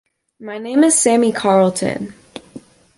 My name is Sammy Carleton.